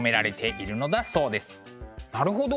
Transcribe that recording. なるほど。